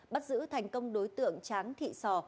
bắt giữ thành công đối tượng tráng thị sò